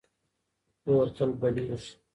اور تل بلېږي.